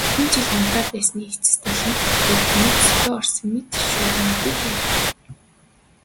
Хэдэн жил унтаа байсны эцэст олимп дөхөхөөр гэнэт сэхээ орсон мэт шуурмааргүй байна.